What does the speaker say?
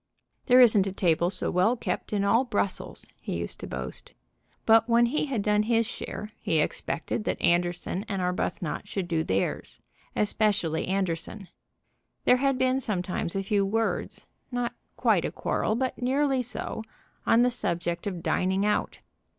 "There isn't a table so well kept in all Brussels," he used to boast. But when he had done his share he expected that Anderson and Arbuthnot should do theirs, especially Anderson. There had been sometimes a few words, not quite a quarrel but nearly so, on the subject of dining out.